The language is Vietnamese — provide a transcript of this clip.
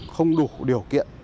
không đủ điều kiện